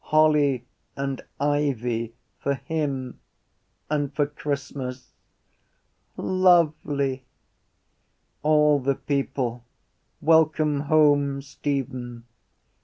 Holly and ivy for him and for Christmas. Lovely... All the people. Welcome home, Stephen!